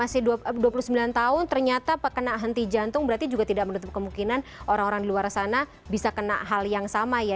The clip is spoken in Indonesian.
jadi kalau kita berbicara tentang dua puluh sembilan tahun ternyata kena henti jantung berarti juga tidak menutup kemungkinan orang orang di luar sana bisa kena hal yang sama ya